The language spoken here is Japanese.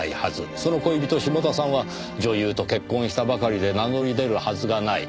その恋人志茂田さんは女優と結婚したばかりで名乗り出るはずがない。